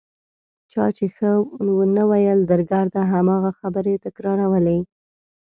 چا چې ښه نه ویل درګرده هماغه خبرې تکرارولې.